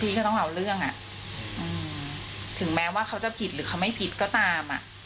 ก็ต้องเอาเรื่องอ่ะถึงแม้ว่าเขาจะผิดหรือเขาไม่ผิดก็ตามอ่ะ